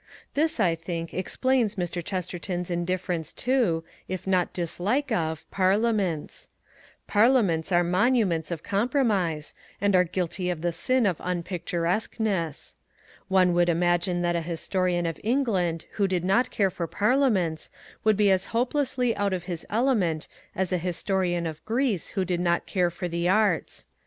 This, I think, explains Mr. Chesterton's indifference to, if not dislike of, Parliaments. Parliaments are monuments of compromise, and are guilty of the sin of unpicturesqueness. One would imagine that a historian of England who did not care for Parliaments would be as hopelessly out of his element as a historian of Greece who did not care for the arts.